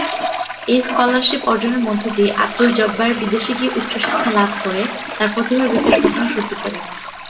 এই স্কলারশিপ অর্জনের মধ্য দিয়ে আবদুল জব্বারের বিদেশে গিয়ে উচ্চশিক্ষা লাভ করে তার প্রতিভার বিকাশ ঘটানোর সুযোগ এলো।